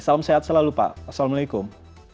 salam sehat selalu pak assalamualaikum